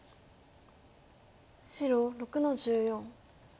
白６の十四。